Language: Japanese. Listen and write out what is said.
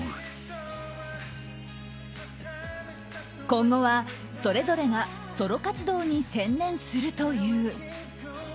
今後はそれぞれがソロ活動に専念するという。